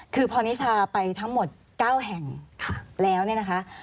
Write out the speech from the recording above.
คือพอนิชาไปทั้งหมด๙แห่งแล้วเนี่ยนะคะ